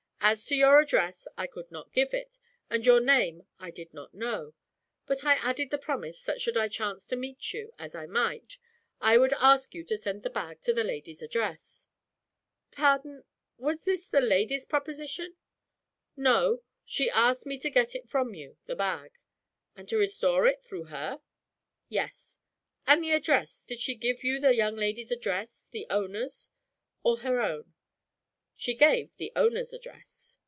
As to your address, I could not give it, and your name I did not know; but I added the promise that should I chance to meet you, as I might, I would ask you to send the bag to the lady's address.' 'Pardon was this the lady's proposition?' 'No. She asked me to get it from you the bag.' 'And to restore it through her?' 'Yes.' 'And the address? Did she give you the young lady's address, the owner's, or her own?' 'She gave the owner's address.'